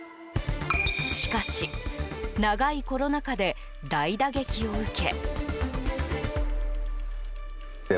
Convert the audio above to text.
しかし、長いコロナ禍で大打撃を受け。